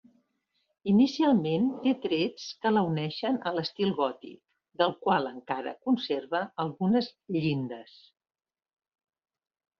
Inicialment té trets que la uneixen a l'estil gòtic, del qual encara conserva algunes llindes.